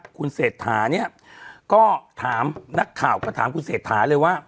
คุณเศรษฐาเนี่ยก็ถามนักข่าวก็ถามคุณเศรษฐาเลยว่า